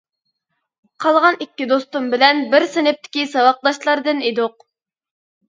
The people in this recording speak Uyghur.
قالغان ئىككى دوستۇم بىلەن بىر سىنىپتىكى ساۋاقداشلاردىن ئىدۇق.